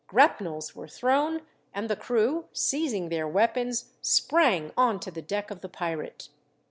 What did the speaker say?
Grapnels were thrown, and the crew, seizing their weapons, sprang on to the deck of the pirate.